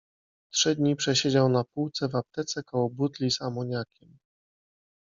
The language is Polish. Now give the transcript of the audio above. Trzy dni przesiedział na półce w aptece koło butli z amoniakiem.